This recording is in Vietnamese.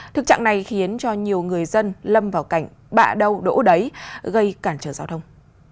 thực trạng này khiến cho nhiều người dân lâm vào cảnh bạ đâu đỗ đấy gây cản trở giao thông